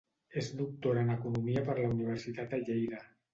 És doctora en economia per la Universitat de Lleida.